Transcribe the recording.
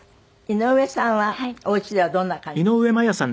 井上さんはお家ではどんな感じでした？